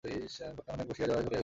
ঘণ্টাখানেক বসিয়া জয়া চলিয়া গেল।